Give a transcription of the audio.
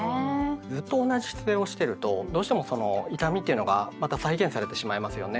ずっと同じ姿勢をしてるとどうしてもその痛みっていうのがまた再現されてしまいますよね。